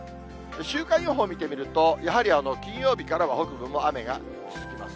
週間予報見てみると、やはり金曜日からは北部も雨が続きます。